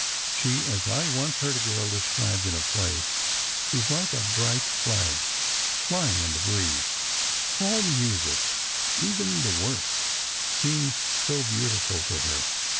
She, as I once heard a girl described in a play, is like a bright flag flying in the breeze. "All music, even the worst, seems so beautiful to her.